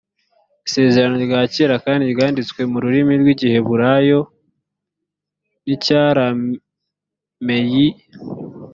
isezerano rya kera kandi ryanditswe mu rurimi rw’igiheburayo n’icyarameyi